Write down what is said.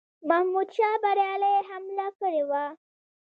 محمودشاه بریالی حمله کړې وه.